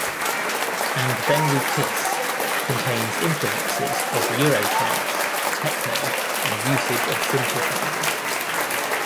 "And Then We Kiss" contains influences of euro-trance, techno and usage of synthesizers.